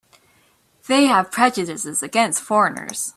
They have prejudices against foreigners.